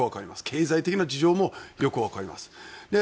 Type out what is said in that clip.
経済的な事情もよくわかります。